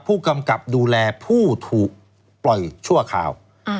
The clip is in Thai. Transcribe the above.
ผู้กำกับดูแลผู้ถูกปล่อยชั่วคราว